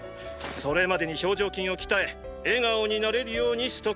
それまでに表情筋を鍛え笑顔になれるようにしとけ。